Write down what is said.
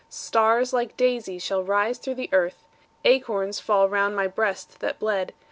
Stars, like daisies, shall rise through the earth, Acorns fall round my breast that bled.